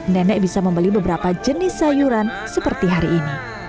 nenek bisa membeli beberapa jenis sayuran seperti hari ini